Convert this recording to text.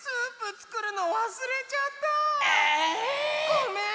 ごめん！